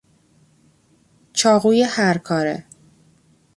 چاقوی هر کاره